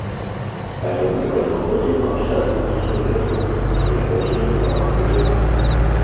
Але мы падыходзім абсалютна сур'ёзна, сур'ёзней няма куды.